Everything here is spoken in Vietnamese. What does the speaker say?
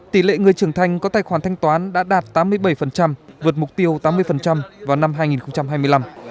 tỷ lệ người trưởng thanh có tài khoản thanh toán đã đạt tám mươi bảy vượt mục tiêu tám mươi vào năm hai nghìn hai mươi năm